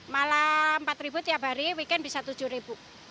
malam empat ribu tiap hari weekend bisa tujuh ribu